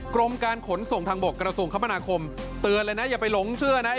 กรมการขนส่งทางบกกระทรวงคมนาคมเตือนเลยนะอย่าไปหลงเชื่อนะ